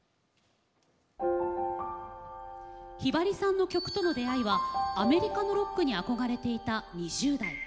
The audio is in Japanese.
ひばりさんの曲との出会いはアメリカのロックに憧れていた２０代。